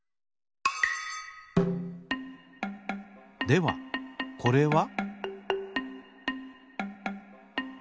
ではこれは？